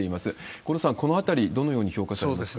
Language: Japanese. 五郎さん、このあたり、どのように評価されますか？